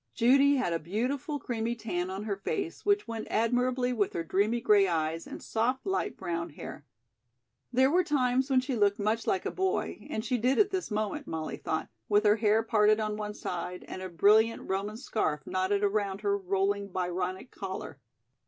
Judy had a beautiful creamy tan on her face which went admirably with her dreamy gray eyes and soft light brown hair. There were times when she looked much like a boy, and she did at this moment, Molly thought, with her hair parted on one side and a brilliant Roman scarf knotted around her rolling Byronic collar.